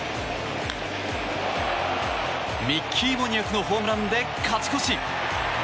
ミッキー・モニアクのホームランで勝ち越し！